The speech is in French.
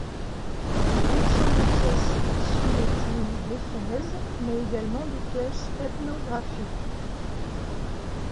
Il contient des pièces issues des fouilles d'Éphèse mais également des pièces ethnographiques.